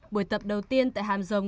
buổi tập đầu tiên tại hàm rồng